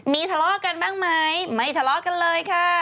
มีทะเลาะกันบ้างไหมไม่ทะเลาะกันเลยค่ะ